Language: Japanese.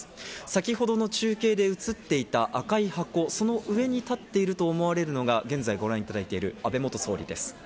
先ほどの中継で映っていた赤い箱、その上に立っていると思われるのが現在ご覧いただいている安倍元総理です。